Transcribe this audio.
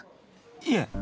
いえ。